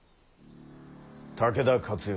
武田勝頼